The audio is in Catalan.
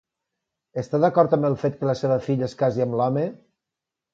Està d'acord amb el fet que la seva filla es casi amb l'home?